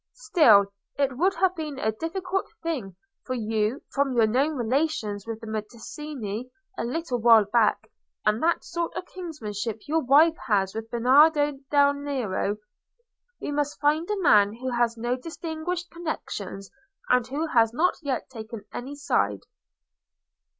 Still, it would have been a difficult thing for you, from your known relations with the Medici a little while back, and that sort of kinship your wife has with Bernardo del Nero. We must find a man who has no distinguished connections, and who has not yet taken any side."